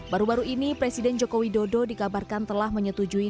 baru baru ini presiden jokowi dodo dikabarkan telah menyetujui